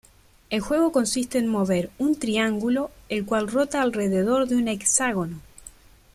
El juego consiste en mover un triángulo el cual rota alrededor de un hexágono.